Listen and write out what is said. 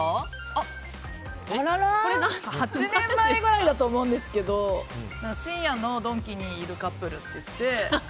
８年前だと思いますが深夜のドンキにいるカップルっていって。